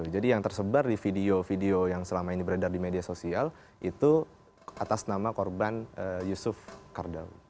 jadi yang tersebar di video video yang selama ini beredar di media sosial itu atas nama korban yusuf kardawi